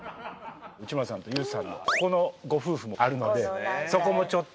内村さんとＹＯＵさんのここのご夫婦もあるのでそこもちょっと。